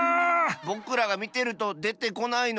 ぼくらがみてるとでてこないのかなあ。